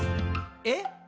「え？